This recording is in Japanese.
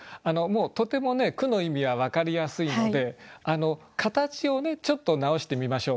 とても句の意味は分かりやすいので形をちょっと直してみましょうか。